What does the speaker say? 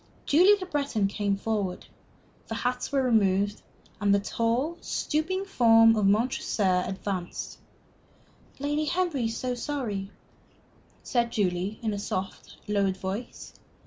Julie Le Breton came forward. The hats were removed, and the tall, stooping form of Montresor advanced. "Lady Henry is so sorry," said Julie, in a soft, lowered voice.